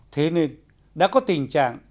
thế nên đã có tình trạng